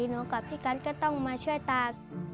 หนูกับพี่กัสก็ต้องมาช่วยตา